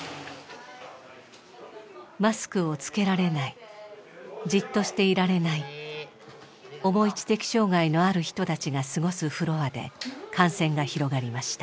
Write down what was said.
マスクをつけられないじっとしていられない重い知的障害のある人たちが過ごすフロアで感染が広がりました。